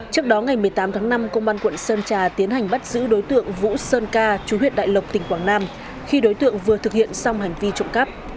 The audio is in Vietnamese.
trước đó ngày một mươi tám tháng năm công an quận sơn trà tiến hành bắt giữ đối tượng vũ sơn ca chú huyện đại lộc tỉnh quảng nam khi đối tượng vừa thực hiện xong hành vi trộm cắp